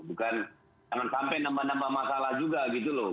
bukan jangan sampai nambah nambah masalah juga gitu loh